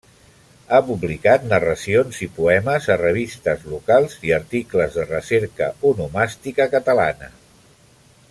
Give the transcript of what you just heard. Ha publicat narracions i poemes a revistes locals i articles de recerca onomàstica catalana.